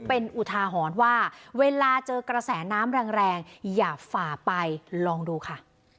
เป็นอุทาหรณ์ว่าเวลาเจอกระแสน้ำแรงอย่าฝ่าไปลองดูค่ะ